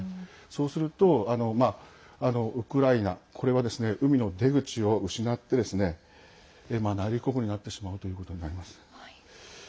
そうすると、ウクライナこれは海の出口を失って内陸国になってしまうということになります。